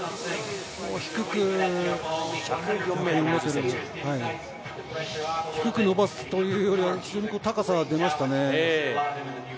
低く伸ばすというよりは、非常に高さは出ましたね。